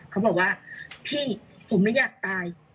เขาบอกว่าพี่ผมไม่อยากตาย